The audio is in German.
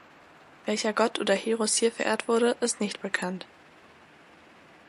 Welcher Gott oder Heros hier verehrt wurde ist nicht bekannt.